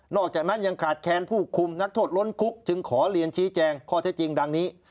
อกจากนั้นยังขาดแค้นผู้คุมนักโทษล้นคุกจึงขอเรียนชี้แจงข้อเท็จจริงดังนี้